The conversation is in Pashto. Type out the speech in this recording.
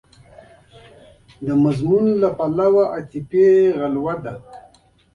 د مضمون له پلوه عاطفي غلوه ده.